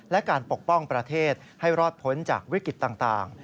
และการปกป้องประเทศให้รอดพ้นจากวิกฤตต่าง